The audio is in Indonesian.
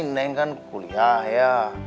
neng kan kuliah ya